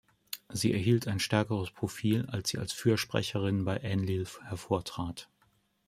Sie erhielt ein stärkeres Profil, als sie als Fürsprecher bei Enlil hervortrat.